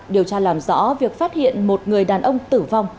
điều tra làm rõ việc phát hiện một người đàn ông tử vong